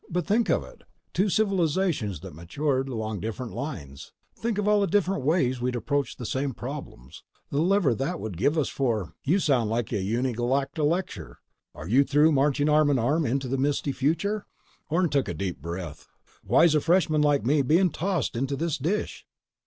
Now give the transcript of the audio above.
"But think of it: Two civilizations that matured along different lines! Think of all the different ways we'd approach the same problems ... the lever that'd give us for—" "You sound like a Uni Galacta lecture! Are you through marching arm in arm into the misty future?" Orne took a deep breath. "Why's a freshman like me being tossed into this dish?"